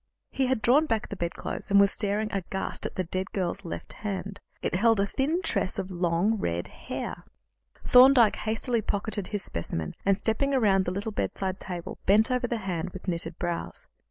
He had drawn back the bedclothes, and was staring aghast at the dead girl's left hand. It held a thin tress of long, red hair. Thorndyke hastily pocketed his specimen, and, stepping round the little bedside table, bent over the hand with knitted brows.